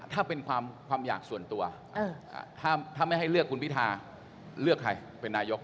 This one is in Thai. ถ้าเป็นความอยากส่วนตัวถ้าไม่ให้เลือกคุณพิทาเลือกใครเป็นนายก